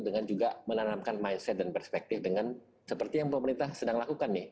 dengan juga menanamkan mindset dan perspektif dengan seperti yang pemerintah sedang lakukan nih